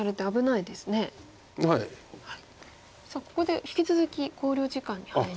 さあここで引き続き考慮時間に入りました。